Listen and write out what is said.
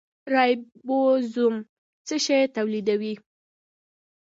رایبوزوم څه شی تولیدوي؟